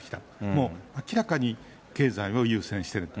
もう明らかに経済を優先してると。